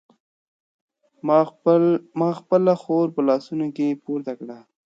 ما خپله خور په لاسونو کې پورته کړه.